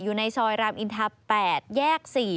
อยู่ในซอยรามอินทรา๘แยก๔